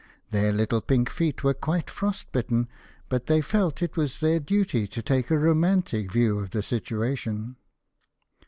Their little pink feet were quite frost bitten, but they felt that it was their duty to take a romantic view of the situation.